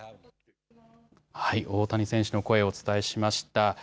大谷選手の声をお伝えしました。